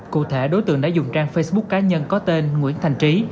cụ thể đối tượng đã dùng trang facebook cá nhân có tên nguyễn thành trí